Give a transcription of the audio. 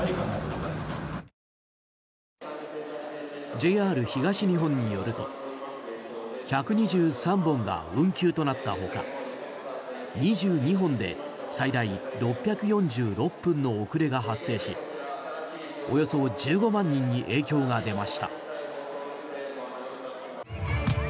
ＪＲ東日本によると１２３本が運休となったほか２２本で最大６４６分の遅れが発生しおよそ１５万人に影響が出ました。